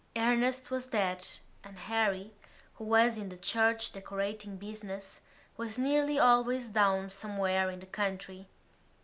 Ernest was dead and Harry, who was in the church decorating business, was nearly always down somewhere in the country.